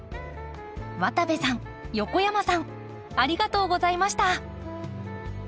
渡部さん横山さんありがとうございました。